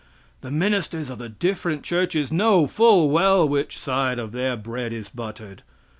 The ministers of the different churches know full well which side of their bread is buttered.